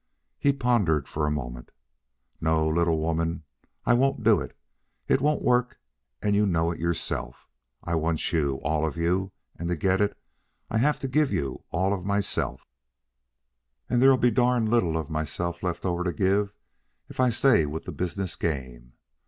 He pondered for a moment. "No, little woman, I won't do it. It won't work, and you know it yourself. I want you all of you; and to get it I'll have to give you all of myself, and there'll be darn little of myself left over to give if I stay with the business game.